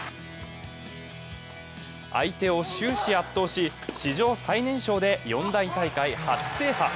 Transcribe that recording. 相手を終始圧倒し、史上最年少で４大大会初制覇。